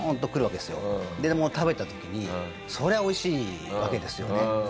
で食べた時にそりゃあ美味しいわけですよね。